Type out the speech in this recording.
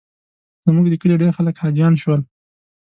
زموږ د کلي ډېر خلک حاجیان شول.